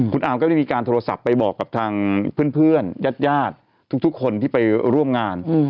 คุณอามก็ได้มีการโทรศัพท์ไปบอกกับทางเพื่อนญาติทุกคนที่ไปร่วมงาน